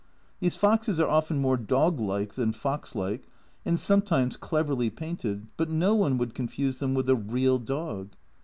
These foxes are often more dog like than fox like, A Journal from Japan 217 and sometimes cleverly painted, but no one could confuse them with a real dog.